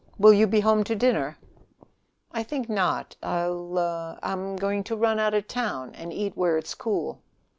"Will you be home to dinner?" "I think not. I'll I'm going to run out of town, and eat where it's cool."